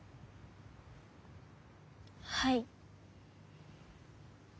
はい。